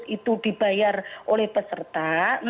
itu dibayar oleh peserta